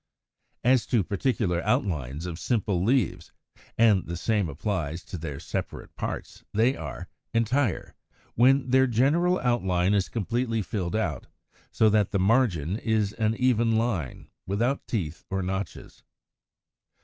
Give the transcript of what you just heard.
=As to Particular Outlines of Simple Leaves= (and the same applies to their separate parts), they are Entire, when their general outline is completely filled out, so that the margin is an even line, without teeth or notches.